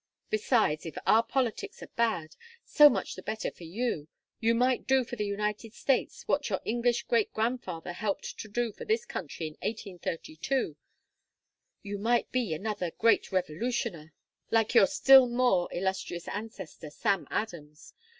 Besides, if our politics are bad, so much the better for you. You might do for the United States what your English great grandfather helped to do for this country in 1832. You might be another 'Great Revolutioner,' like your still more illustrious ancestor, Sam Adams.